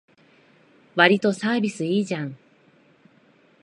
わりとサービスいいじゃん